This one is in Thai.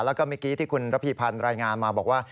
แล้วก็เมื่อกี้ที่คุณระพีพันธ์รายงานมาบอกว่า